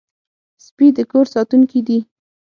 سپي د کور ساتونکي دي.